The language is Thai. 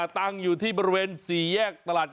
ตั้งอยู่ที่บริเวณ๔แยกตลาด